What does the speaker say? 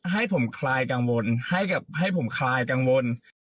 ให้ผมคลายกังวลให้ผมคลายกังวล